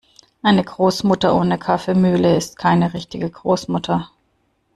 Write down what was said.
Eine Großmutter ohne Kaffeemühle ist keine richtige Großmutter.